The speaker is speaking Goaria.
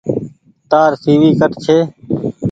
تآر سي وي ڪٺ ڇي۔